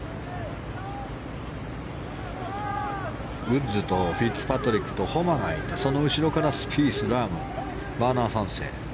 ウッズとフィッツパトリックとホマがいてその後ろからスピース、ラームバーナー３世。